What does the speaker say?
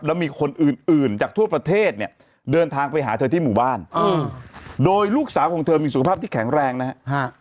แล้วมีคนอื่นอื่นจากทั่วประเทศเนี่ยเดินทางไปหาเธอที่หมู่บ้านโดยลูกสาวของเธอมีสุขภาพที่แข็งแรงนะฮะ